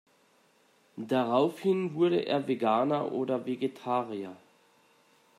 Daraufhin wurde er Veganer oder Vegetarier.